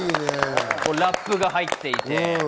ラップが入っていて。